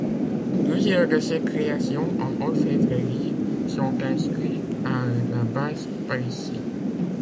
Plusieurs de ses créations en orfèvrerie sont inscrits à la base Palissy.